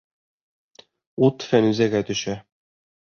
Ут Фәнүзәгә төшә.